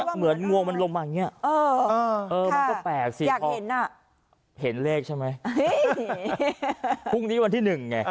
เหมือนงวงมันลงมาอีกอย่างนี้